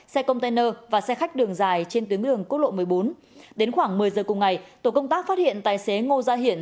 xe container và xe khách đường dài trên tuyến đường quốc lộ một mươi bốn đến khoảng một mươi giờ cùng ngày tổ công tác phát hiện tài xế ngô gia hiển